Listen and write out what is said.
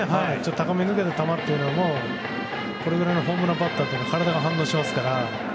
高めに浮いた球はこれぐらいのホームランバッターなら体が反応しますから。